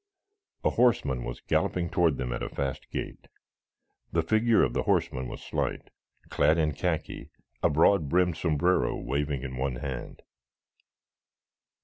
A horseman was galloping toward them at a fast gait. The figure of the horseman was slight, clad in khaki, a broad brimmed sombrero waving in one hand.